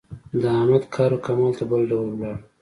د احمد کار و کمال ته ډول ولاړم.